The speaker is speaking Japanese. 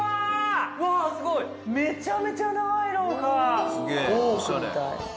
めちゃめちゃ長い廊下。